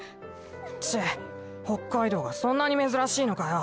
チェッ北海道がそんなに珍しいのかよ。